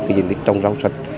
cái diện tích trồng rau sạch